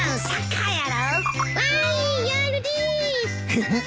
フフッ。